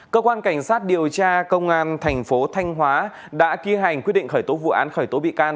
cơ quan cảnh sát điều tra công an thành phố thanh hóa đã thi hành quyết định khởi tố vụ án khởi tố bị can